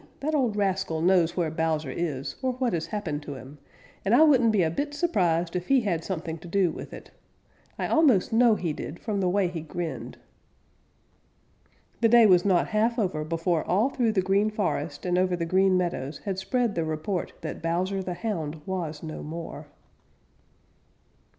That old rascal knows where Bowser is, or what has happened to him, and I wouldn't be a bit surprised if he had something to do with it. I almost know he did from the way he grinned." The day was not half over before all through the Green Forest and over the Green Meadows had spread the report that Bowser the Hound was no more.